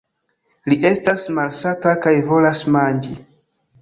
Li estas malsata kaj volas manĝi!